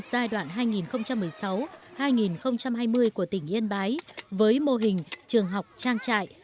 giai đoạn hai nghìn một mươi sáu hai nghìn hai mươi của tỉnh yên bái với mô hình trường học trang trại